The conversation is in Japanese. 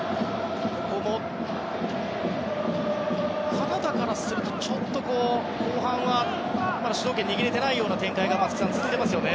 カナダからすると後半は主導権を握れていない展開が松木さん、続いていますよね。